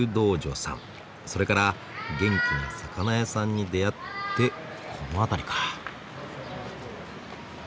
それから元気な魚屋さんに出会ってこの辺りか。